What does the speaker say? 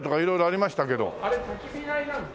あれ焚き火台なんです。